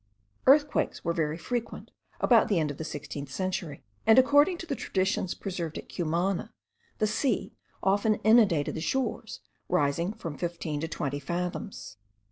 Earthquakes were very frequent about the end of the sixteenth century; and, according to the traditions preserved at Cumana, the sea often inundated the shores, rising from fifteen to twenty fathoms.